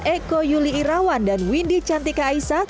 eko yuli irawan dan windy cantika aisa